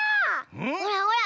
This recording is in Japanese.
ほらほら